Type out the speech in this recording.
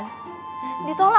ditolak ya di romania